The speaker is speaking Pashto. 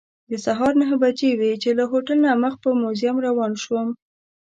د سهار نهه بجې وې چې له هوټل نه مخ په موزیم روان شوم.